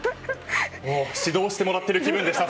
指導してもらっている気分でした。